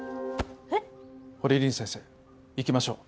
えっ？堀凛先生行きましょう。